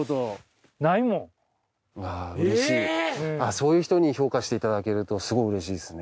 そういう人に評価していただけるとすごいうれしいですね。